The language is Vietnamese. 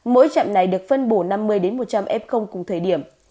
mỗi trạm này được phân bổ năm mươi một trăm linh f cùng thời điểm